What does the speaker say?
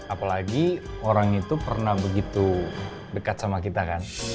apalagi orang itu pernah begitu dekat sama kita kan